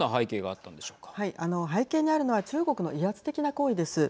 あの背景にあるのは中国の威圧的な行為です。